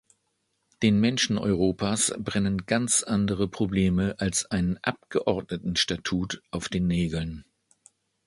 Den Menschen Europas brennen ganz andere Probleme als ein Abgeordnetenstatut auf den Nägeln.